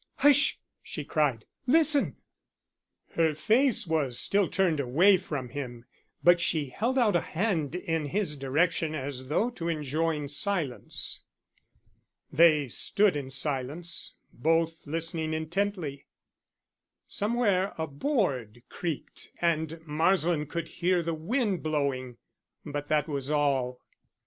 "Hush!" she cried. "Listen!" Her face was still turned away from him, but she held out a hand in his direction as though to enjoin silence. They stood in silence, both listening intently. Somewhere a board creaked, and Marsland could hear the wind blowing, but that was all.